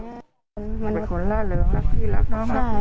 เป็นคนร่าเริงรักพี่รักน้อง